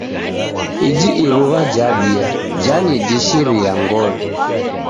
Iji iruwa jabia, jani jishiriya chongo.